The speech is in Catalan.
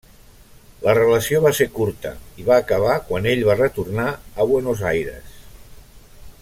La relació va ser curta i va acabar quan ell va retornar a Buenos Aires.